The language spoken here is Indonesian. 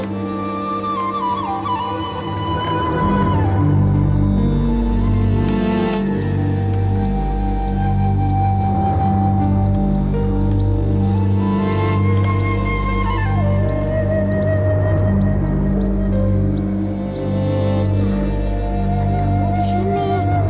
kamu di sini